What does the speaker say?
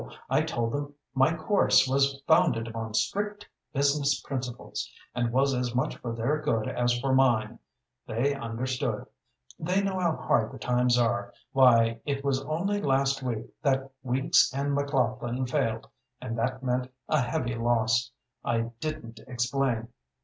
I told them my course was founded upon strict business principles, and was as much for their good as for mine. They understood. They know how hard the times are. Why, it was only last week that Weeks & McLaughlin failed, and that meant a heavy loss. I didn't explain."